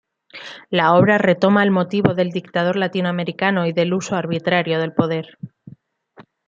La obra retoma el motivo del Dictador latinoamericano y del uso arbitrario del poder.